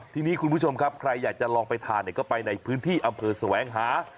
ทีนี้คุณผู้ชมครับใครอยากจะลองไปทานก็ไปในพื้นที่อำเภอแสวงหา